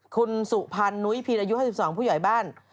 คุณสุพรรณนุ้ยพินอายุ๕๒ผู้ใหญ่บ้าน